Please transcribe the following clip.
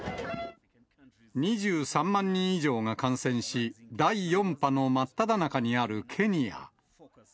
２３万人以上が感染し、第４波の真っただ中にあるケニア。